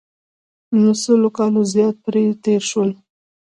له سلو کالو زیات پرې تېر شول.